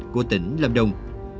của tỉnh lâm đồng